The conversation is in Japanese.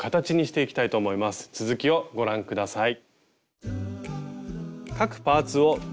続きをご覧下さい。